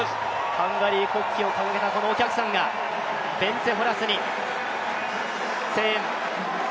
ハンガリー国旗を掲げたお客さんが、ベンツェ・ホラスに声援。